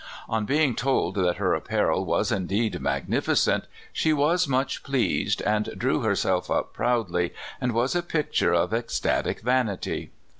On being told that her apparel was indeed magnificent, she was much pleased, and drew her self up proudly, and was a picture of ecstatic van ity.